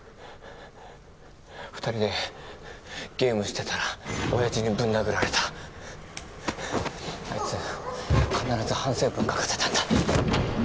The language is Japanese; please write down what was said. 二人でゲームしてたら親父にぶん殴られたあいつ必ず反省文書かせたんだ